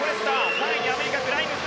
３位にアメリカのグライムズ。